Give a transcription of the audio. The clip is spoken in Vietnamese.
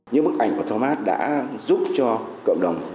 những bức ảnh của thomas đã giúp cho cộng đồng